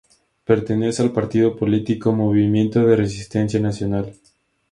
Pertenece al partido político Movimiento de Resistencia Nacional.